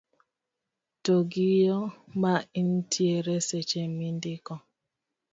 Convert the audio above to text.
to gi yo ma intiere seche mindiko